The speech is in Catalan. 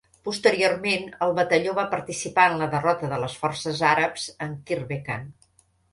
Posteriorment, el batalló va participar en la derrota de les forces àrabs en Kirbekan.